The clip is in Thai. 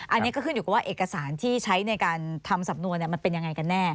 อันนี้ก็ขึ้นอยู่กับว่า